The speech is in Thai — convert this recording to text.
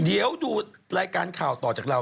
เดี๋ยวดูรายการข่าวต่อจากเรา